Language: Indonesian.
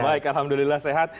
baik alhamdulillah sehat